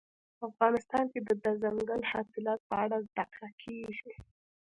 افغانستان کې د دځنګل حاصلات په اړه زده کړه کېږي.